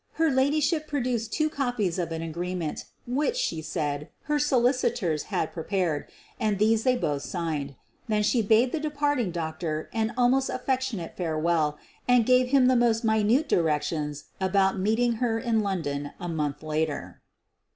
Her ladyship produced two copies of an agreement which, she said, her solicitors had prepared, and these they both signed. Then she bade the depart ing doctor an almost affectionate farewell and gave him the most minute directions about meeting her in London a month later.